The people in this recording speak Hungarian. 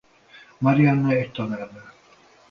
Marianne egy tanárnő.